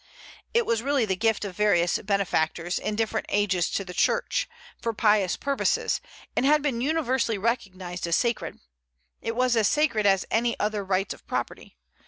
It was really the gift of various benefactors in different ages to the Church, for pious purposes, and had been universally recognized as sacred. It was as sacred as any other rights of property.